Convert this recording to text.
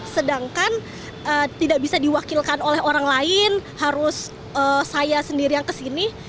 sedangkan tidak bisa diwakilkan oleh orang lain harus saya sendiri yang kesini